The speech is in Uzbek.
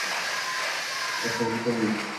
Paysalga solmay.